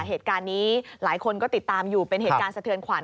เหตุการณ์นี้หลายคนก็ติดตามอยู่เป็นเหตุการณ์สะเทือนขวัญ